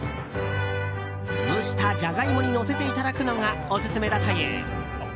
蒸したジャガイモにのせていただくのがオススメだという。